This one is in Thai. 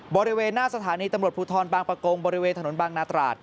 บริเวณหน้าสถานีตำรวจภูทรบางประกงบริเวณถนนบางนาตราด